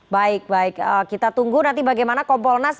baik baik kita tunggu nanti bagaimana kompolnas